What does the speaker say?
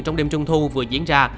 trong đêm trung thu vừa qua